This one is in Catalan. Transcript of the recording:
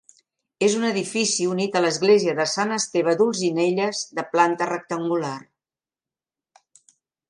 És un edifici unit a l'església de Sant Esteve d'Olzinelles, de planta rectangular.